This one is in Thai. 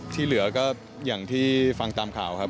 ที่เหลือก็อย่างที่ฟังตามข่าวครับ